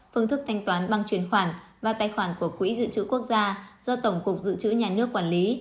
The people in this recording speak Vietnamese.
phương thức thanh toán bằng truyền khoản và tài khoản của quỹ dự trữ quốc gia do tổng cục dự trữ nhà nước quản lý